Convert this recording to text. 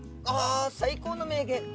あ最高の名言。